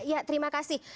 ya terima kasih